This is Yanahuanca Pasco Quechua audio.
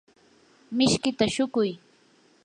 mishkita shuquy.